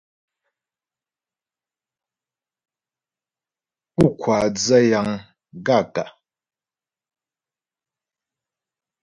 Pú ŋkwáa dzə́ yəŋ gaə̂kə̀ ?